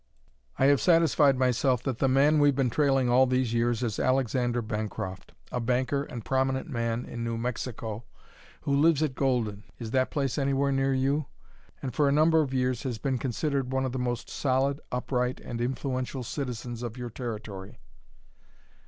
"I have satisfied myself that the man we've been trailing all these years is Alexander Bancroft, a banker and prominent man in New Mexico, who lives at Golden, is that place anywhere near you? and for a number of years has been considered one of the most solid, upright, and influential citizens of your Territory."